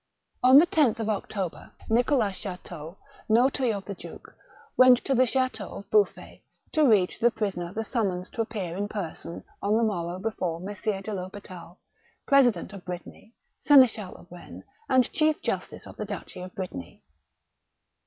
On the 10th October, Nicolas Chateau, notary of the duke, went to the Chateau of Bouflfay, to read to the prisoner the summons to appear in person on the morrow before Messire de THospital, President of Brittany, Seneschal of Rennes, and Chief Justice of the Duchy of Brittany.